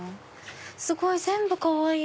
すごい全部かわいい！